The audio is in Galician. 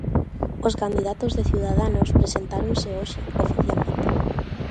Os candidatos de Ciudadanos presentáronse hoxe oficialmente.